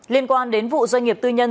liên quan đến vụ doanh nghiệp tư nhân